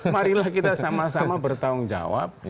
marilah kita sama sama bertanggung jawab